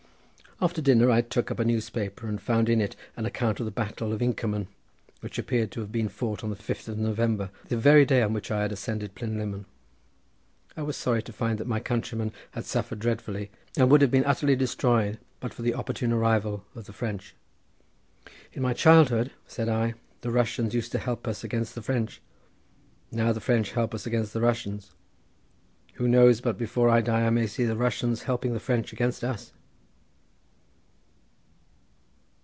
After dinner I took up a newspaper and found in it an account of the battle of Inkerman, which appeared to have been fought on the fifth of November, the very day on which I had ascended Plinlymmon. I was sorry to find that my countrymen had suffered dreadfully, and would have been utterly destroyed but for the opportune arrival of the French. "In my childhood," said I, "the Russians used to help us against the French; now the French help us against the Russians. Who knows but before I die I may see the Russians helping the French against us?"